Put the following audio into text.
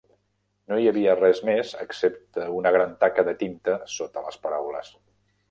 No hi havia res més, excepte una gran taca de tinta sota les paraules.